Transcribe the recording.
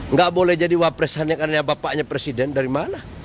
nggak boleh jadi wapresannya karena bapaknya presiden dari mana